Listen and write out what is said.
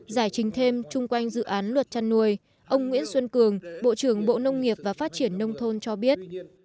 giải trình thêm chung quanh dự án luật chăn nuôi ông nguyễn xuân cường bộ trưởng bộ nông nghiệp và phát triển nông thôn cho biết